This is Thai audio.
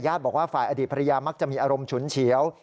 บอกว่าฝ่ายอดีตภรรยามักจะมีอารมณ์ฉุนเฉียว